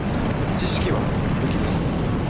知識は武器です。